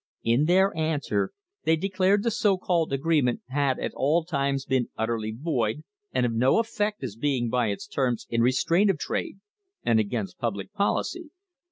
In their answer they declared the so called agreement had at all times been "utterly void and of no effect as being by its terms in restraint of trade and against public policy."